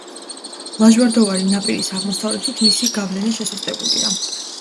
ლაჟვარდოვანი ნაპირის აღმოსავლეთით მისი გავლენა შესუსტებულია.